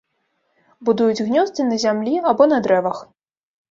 Будуюць гнёзды на зямлі або на дрэвах.